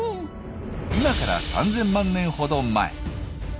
今から３，０００万年ほど前。